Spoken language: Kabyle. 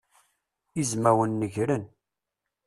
Izmawen negren.